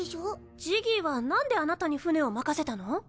ジギーは何であなたに船を任せたの？